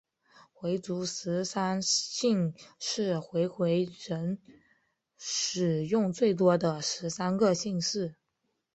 回族十三姓是回回人使用最多的十三个姓氏。